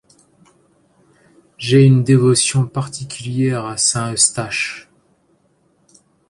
J’ai une dévotion particulière à Saint-Eustache.